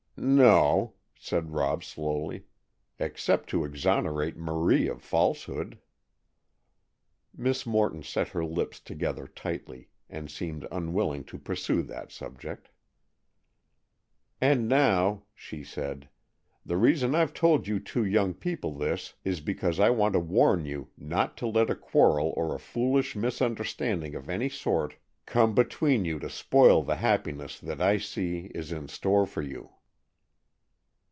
"No," said Rob slowly, "except to exonerate Marie of falsehood." Miss Morton set her lips together tightly, and seemed unwilling to pursue that subject. "And now," she said, "the reason I've told you two young people this, is because I want to warn you not to let a quarrel or a foolish misunderstanding of any sort come between you to spoil the happiness that I see is in store for you."